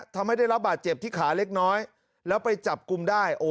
ทำให้ได้รับบาดเจ็บที่ขาเล็กน้อยแล้วไปจับกลุ่มได้